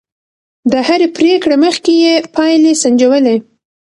د هرې پرېکړې مخکې يې پايلې سنجولې.